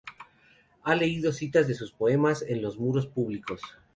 He leído citas de sus poemas en los muros públicos.